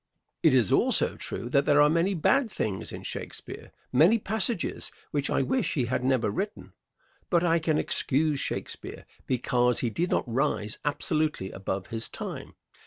It is also true that there are many bad things in Shakespeare many passages which I wish he had never written. But I can excuse Shakespeare, because he did not rise absolutely above his time.